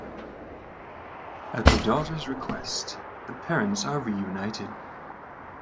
At the daughters' request, the parents are reunited.